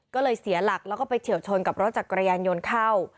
ก็เลยเสียหลักแล้วก็ไปเฉียวชนกับรถจักรยานยนต์เข้า